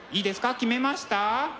決めました？